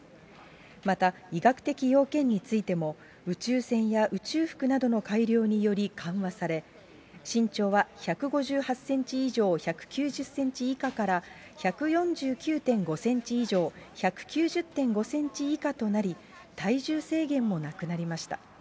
また医学的要件についても、宇宙船や宇宙服などの改良により緩和され、身長は１５８センチ以上１９０センチ以下から、１４９．５センチ以上、１９０．５センチ以下となり、体重制限もなくなりました。